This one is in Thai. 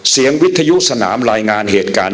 เสียงวิทยุสนามรายงานงานหลายการ